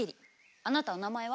あなたお名前は？